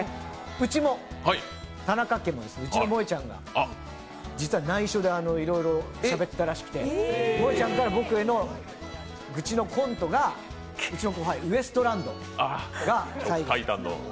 うちも、田中家も、うちのもえちゃんが、実はないしょで、いろいろしゃべったらしくて、もえちゃんから僕への愚痴のコントが、うちの後輩、ウエストランドが再現します。